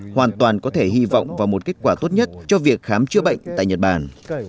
hoàn toàn có thể hy vọng vào một kết quả tốt nhất cho việc khám chữa bệnh tại nhật bản